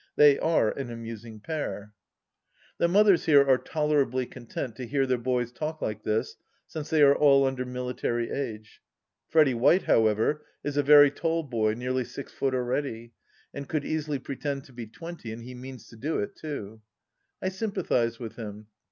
They are an amusing pair. ... THE LAST DITCH 98 The mothers here are tolerably content to hear their boys talk like this, since they are all under military age. Freddy White, however, is a very tall boy, nearly six foot already, and could easily pretend to be twenty, and he means to do it, too. I sympathize with him.